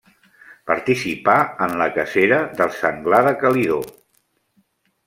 Participà en la cacera del Senglar de Calidó.